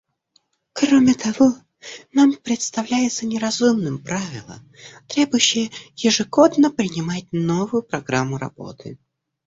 Кроме того, нам представляется неразумным правило, требующее ежегодно принимать новую программу работы.